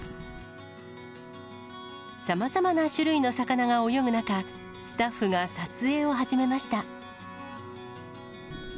さまざまな種類の魚が泳ぐ中、スタッフが撮影を始めました。